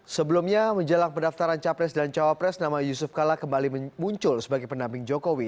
sebelumnya menjelang pendaftaran capres dan cawapres nama yusuf kala kembali muncul sebagai pendamping jokowi